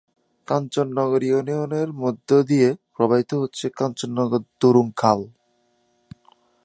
কাঞ্চননগর ইউনিয়নের মধ্য দিয়ে প্রবাহিত হচ্ছে কাঞ্চননগর ধুরুং খাল।